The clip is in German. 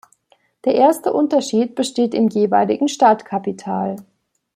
Der erste Unterschied besteht im jeweiligen Startkapital.